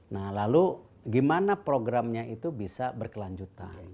nah lalu gimana programnya itu bisa berkelanjutan